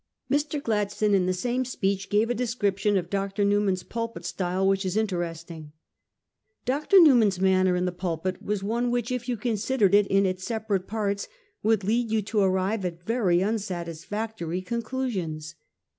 Mr. Gladstone in the same speech gave a description of Dr. Newman's pulpit style which is interesting :' Dr. Newman's manner in the pulpit was one which, if you considered it in its separate parts, would lead you to arrive at very unsatisfactory conclusions.